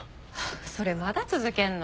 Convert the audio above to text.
それまだ続けんの？